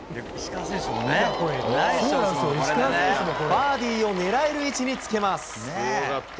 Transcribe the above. バーディーをねらえる位置につけます。